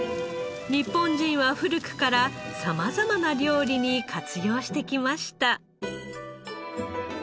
日本人は古くから様々な料理に活用してきました。